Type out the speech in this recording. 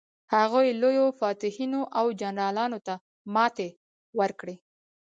هغوی لویو فاتحینو او جنرالانو ته ماتې ورکړې.